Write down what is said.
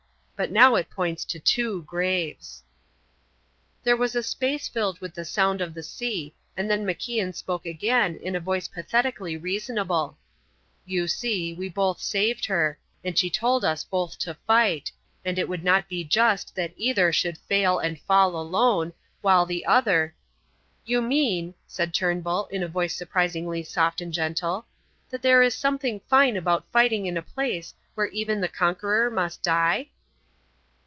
But now it points to two graves." There was a space filled with the sound of the sea, and then MacIan spoke again in a voice pathetically reasonable: "You see, we both saved her and she told us both to fight and it would not be just that either should fail and fall alone, while the other " "You mean," said Turnbull, in a voice surprisingly soft and gentle, "that there is something fine about fighting in a place where even the conqueror must die?"